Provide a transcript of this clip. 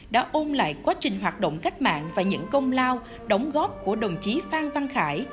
đã ôn lại quá trình hoạt động cách mạng và những công lao đóng góp của đồng chí phan văn khải